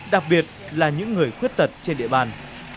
đặc biệt là những người khuyết tật trên địa bàn